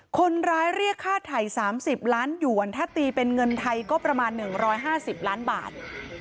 คนร้ายเรียกค่าไถ่๓๐ล้านหยวนถ้าตีเป็นเงินไทยก็ประมาณ๑๕๐ล้านบาท